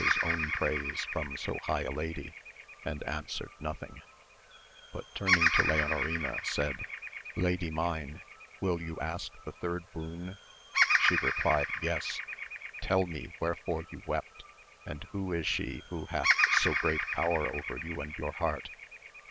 his own praise from so high a lady, and answered, nothing, but turning to Leonorina said, Lady mine, will you ask the third boon ? she replied Yes ; tell me wherefore you wept, and who is she who hath so great power over you and your heart.